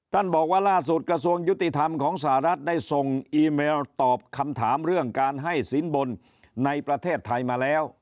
บอกว่าล่าสุดกระทรวงยุติธรรมของสหรัฐได้ส่งอีเมลตอบคำถามเรื่องการให้สินบนในประเทศไทยมาแล้ว